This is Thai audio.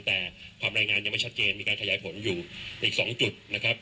แต่ความรายงานยังไม่ชัดเจนมีการขยายผลอยู่อีก๒จุดนะครับ